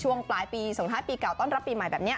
ช่วงปลายปีส่งท้ายปีเก่าต้อนรับปีใหม่แบบนี้